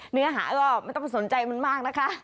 เนื้อหาก็ไม่ต้องไปสนใจมันมากนะคะ